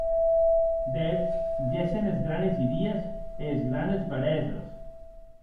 D’eth gessen es granes idies e es granes bereses.